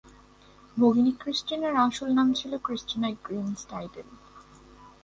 ভগিনী Christine এর আসল নাম ছিল ক্রিস্টিনা গ্রিনস্টাইডেল।